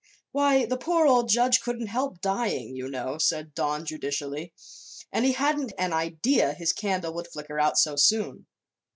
"Why, the poor old judge couldn't help dying, you know," said Don, judicially. "And he hadn't an idea his candle would flicker out so soon.